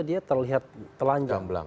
dia terlihat pelanjang